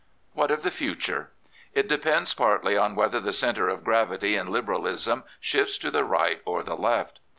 What of the future? It depends partly on whether the centre of gravity in Liberalism shifts to the right or the left.